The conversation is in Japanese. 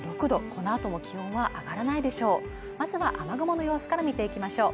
このあとも気温は上がらないでしょう